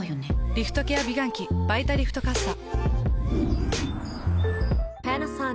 リフトケア美顔器「バイタリフトかっさ」。